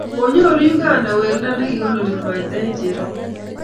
konyoru Uganda weldo nekikonori mwaita eng cherongo